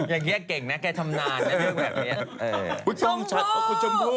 อืมอย่างเก่งนะแกทำนานนะเรื่องแบบนี้คุณชมพู